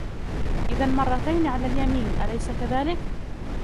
إذن مرتين على اليمين ، أليس كذلك ؟